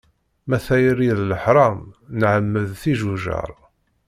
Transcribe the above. Ma tayri d leḥram nɛemmed tijujar.